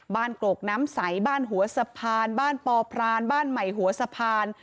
กรกน้ำใสบ้านหัวสะพานบ้านปอพรานบ้านใหม่หัวสะพาน